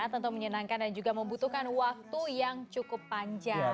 tentu menyenangkan dan juga membutuhkan waktu yang cukup panjang